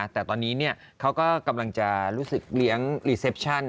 แต่ตอนนี้เขาก็กำลังจะรู้สึกเลี้ยงรีเซปชั่น